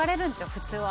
普通は。